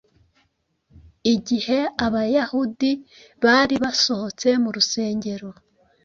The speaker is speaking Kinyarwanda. Igihe Abayahudi bari basohotse mu rusengero,